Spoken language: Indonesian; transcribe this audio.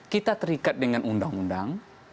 kita terikat dengan undang undang